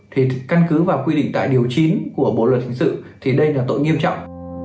thì căn cứ vào quy định tại điều chín của bộ luật hình sự thì đây là tội nghiêm trọng